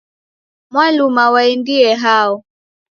Mwaluma waendie hao?